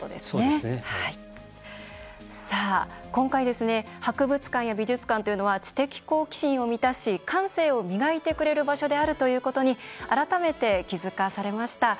今回、博物館や美術館というのは知的好奇心を満たし感性を磨いてくれる場所であることに改めて気付かされました。